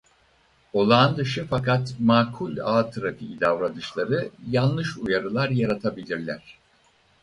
Olağandışı fakat makul ağ trafiği davranışları yanlış uyarılar yaratabilirler.